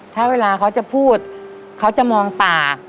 ถ้าเวลาเขาจะพูดเขาจะมองปาก